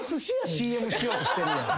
ＣＭしようとしてるやん。